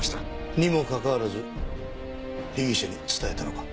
にもかかわらず被疑者に伝えたのか？